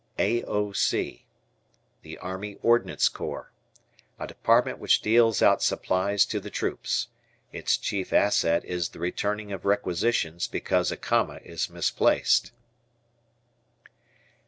A.O.C. Army Ordnance Corps. A department which deals out supplies to the troops. Its chief asset is the returning of requisitions because a comma is misplaced.